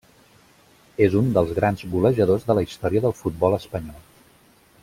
És un dels grans golejadors de la història del futbol espanyol.